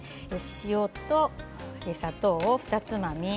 塩と砂糖をふたつまみ。